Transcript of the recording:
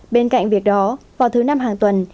bên cạnh việc đó vào thứ năm hàng tuần